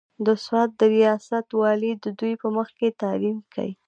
د سوات د رياست والي د دوي پۀ مخکښې تعليم کښې